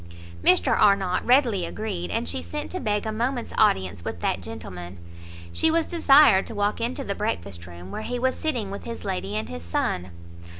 Mr Arnott readily agreed, and she sent to beg a moment's audience with that gentleman. She was desired to walk into the breakfast room, where he was sitting with his lady and his son.